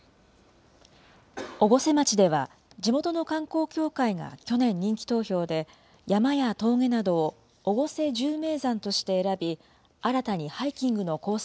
越生町では地元の観光協会が去年人気投票で、山や峠などを越生１０名山として選び、新たにハイキングのコース